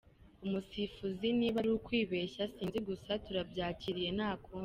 Umusifuzi niba ari ukwibeshya sinzi gusa turabyakiriye nta kundi.